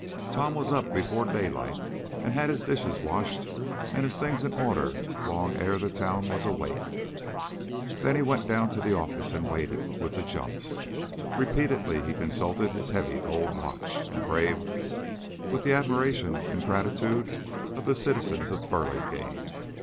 Tom was up before daylight and had his dishes washed and his things in order long ere the town was awake. Then he went down to the office and waited with the jumps. Repeatedly he consulted his heavy gold watch, engraved: "With the admiration and gratitude of the citizens of Burlingame.